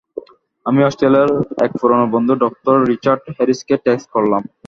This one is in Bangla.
আমি অস্ট্রেলিয়ার এক পুরানো বন্ধু ডঃ রিচার্ড হ্যারিসকে টেক্সট করলাম।